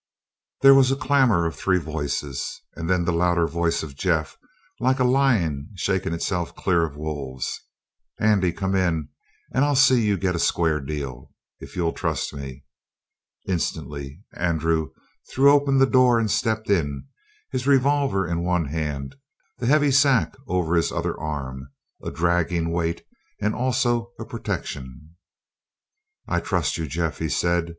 There was a clamor of three voices and then the louder voice of Jeff, like a lion shaking itself clear of wolves: "Andy, come in, and I'll see you get a square deal if you'll trust me!" Instantly Andrew threw open the door and stepped in, his revolver in one hand, the heavy sack over his other arm, a dragging weight and also a protection. "I'll trust you, Jeff," he said.